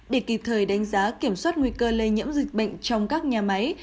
để kịp thời đánh giá kiểm soát nguy cơ lây nhiễm dịch bệnh trong các nhà máy